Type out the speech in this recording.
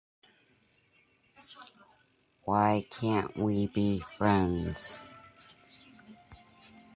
Why Can't We Be Friends?